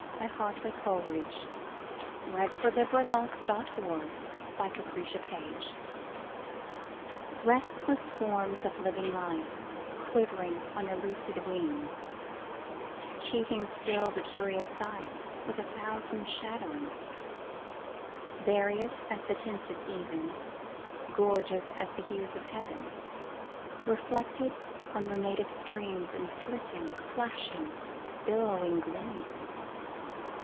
G H . I J . K L . M N . O P . Q R . S T . U V . W X . Y Z Address to Certain Golfishes RESTLESS forms of living light Quivering on your lucid wings, Cheating still the curious sight With a thousand shadowings; Various as the tints of even, Gorgeous as the hues of heaven, Reflected on you native streams In flitting, flashing, billowy gleams!